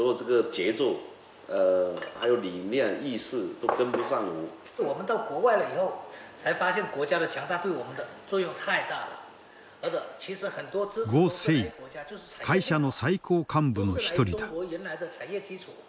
呉誠会社の最高幹部の一人だ。